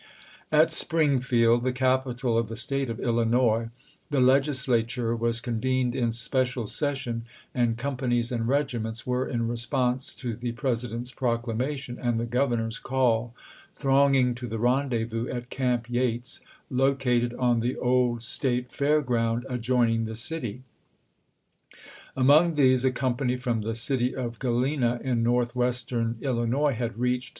At Springfield, the capital of the State of Illinois, the Legislature was convened in special session, and companies and regiments were, in response to the President's proclamation and the Governor's call, thronging to the rendezvous at Camp Yates, located on the old State fair ground adjoining the city. Among these, a company from the city of Galena, in northwestern Illinois, had reached 1861.